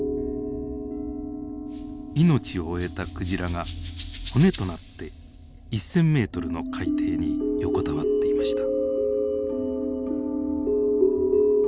命を終えたクジラが骨となって１，０００ｍの海底に横たわっていました。